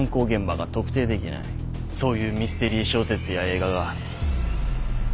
そういうミステリー小説や映画が。